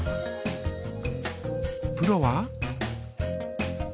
プロは？